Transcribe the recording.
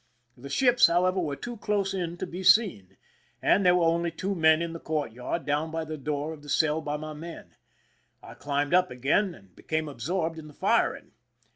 The ships, however, were too close in to be seen, and there were only two men in the court yard, down by the door of the cell of my men. I climbed up again, and became absorbed in the firing.